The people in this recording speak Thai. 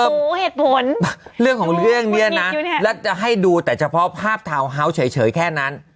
หูเหตุผลเรื่องของเรื่องเนี้ยนะแล้วจะให้ดูแต่เฉพาะภาพทาวน์เฮาส์เฉยแค่นั้น